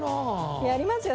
やりますよ